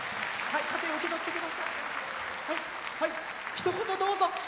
ひと言どうぞ。